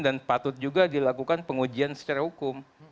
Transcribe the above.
dan patut juga dilakukan pengujian secara hukum